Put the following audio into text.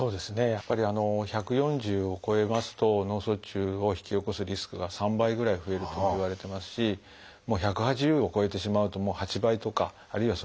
やっぱり１４０を超えますと脳卒中を引き起こすリスクが３倍ぐらい増えるといわれてますし１８０を超えてしまうと８倍とかあるいはそれ以上ともいわれています。